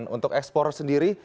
untuk ekspor sendiri